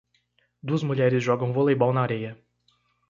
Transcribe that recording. Duas mulheres jogam voleibol na areia.